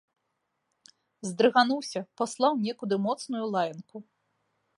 Здрыгануўся, паслаў некуды моцную лаянку.